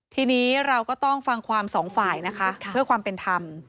ทีนี้เราก็ต้องฟังความสองฝ่ายนะคะเพื่อความเป็นธรรม